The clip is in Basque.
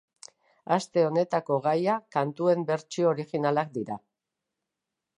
Aste honetako gaia kantuen bertsio originalak dira.